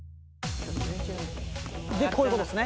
でこういうことですね